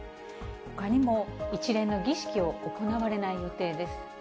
ほかにも一連の儀式を行われない予定です。